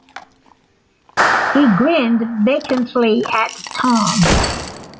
He grinned vacantly at Tom.